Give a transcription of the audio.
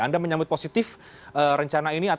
anda menyambut positif rencana ini